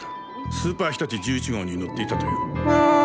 スーパーひたち１１号に乗っていたという。